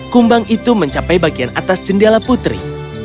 kumbang itu mencapai bagian atas jendela putri